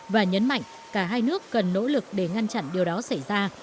và nhấn mạnh cả hai nước cần nỗ lực để ngăn chặn điều đó xảy ra